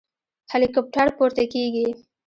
هليكاپټر پورته کېږي.